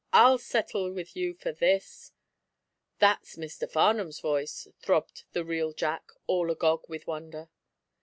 I'll settle with you for this!" "That's Mr. Farnum's voice!" throbbed the real Jack, all agog with wonder.